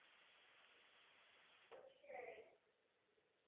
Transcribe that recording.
V malých rolích se objevil i v některých filmech.